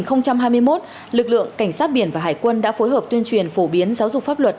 năm hai nghìn hai mươi một lực lượng cảnh sát biển và hải quân đã phối hợp tuyên truyền phổ biến giáo dục pháp luật